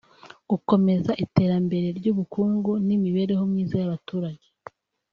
Gukomeza iterambere ry’ubukungu n’imibereho myiza y’abaturage